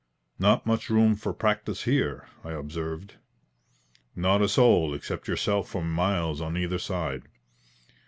"Not much room for practice here?" I observed. "Not a soul except yourself for miles on either side."